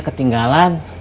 ini tinggal bertahun tahun